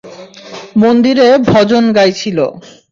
মন্দিরে বজন গাইছিলো।